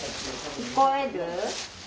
聞こえる？